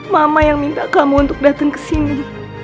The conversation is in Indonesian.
mama yang minta kamu untuk datang ke sini